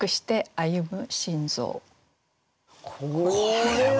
これは。